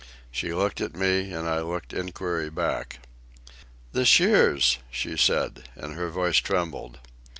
She looked at me, and I looked inquiry back. "The shears," she said, and her voice trembled.